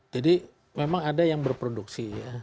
jadi memang ada yang berproduksi ya